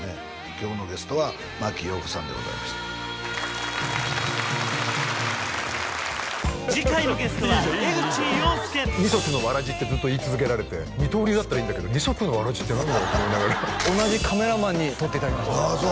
今日のゲストは真木よう子さんでございました二足のわらじってずっと言い続けられて二刀流だったらいいんだけど二足のわらじって何だよって同じカメラマンに撮っていただきましたあっ